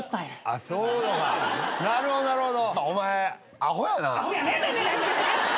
なるほどなるほど。